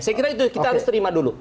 saya kira itu kita harus terima dulu